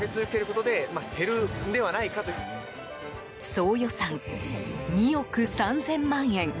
総予算２億３０００万円。